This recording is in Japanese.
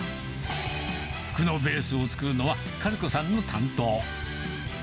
服のベースを作るのは、和子さんの担当。